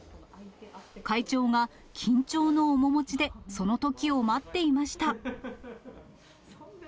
会長が、緊張の面持ちでそのときを待っていました。